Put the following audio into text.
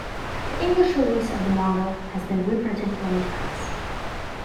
The English release of the manga has been reprinted many times.